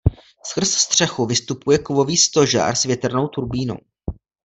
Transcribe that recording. Skrz střechu vystupuje kovový stožár s větrnou turbínou.